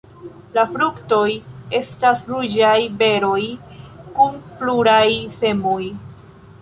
La fruktoj estas ruĝaj beroj kun pluraj semoj.